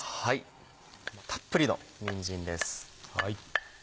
たっぷりのにんじんです。